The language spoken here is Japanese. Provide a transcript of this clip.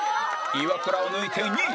イワクラを抜いて２位！